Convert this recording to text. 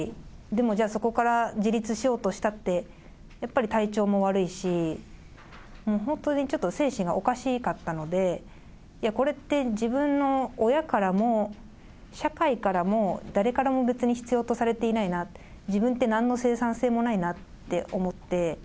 でもじゃあ、そこから自立しようとしたって、やっぱり体調も悪いし、もう本当にちょっと精神がおかしかったので、いや、これって自分の親からも、社会からも、誰からも別に必要とされていないなって、自分ってなんの生産性もないなって思って。